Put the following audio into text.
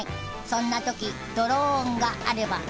そんな時ドローンがあれば。